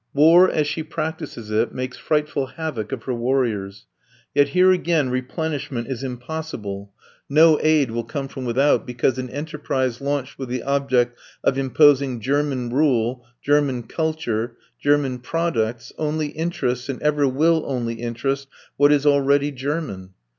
War, as she practises it, makes frightful havoc of her warriors. Yet here again replenishment is impossible, no aid will come from without, because an enterprise launched with the object of imposing German rule, German "culture," German products, only interests and ever will only interest what is already German.